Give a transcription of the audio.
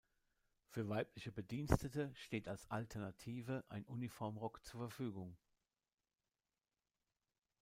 Für weibliche Bedienstete steht als Alternative ein Uniformrock zur Verfügung.